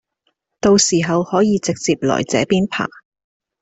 到時候可以直接來這邊爬